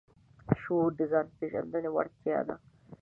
شعور د ځان د پېژندنې وړتیا ده.